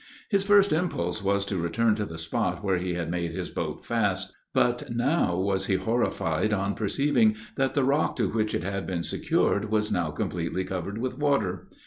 His first impulse was to return to the spot where he had made his boat fast; but how was he horrified on perceiving that the rock to which it had been secured was now completely covered with water.